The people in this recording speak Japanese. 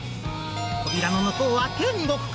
扉の向こうは天国か？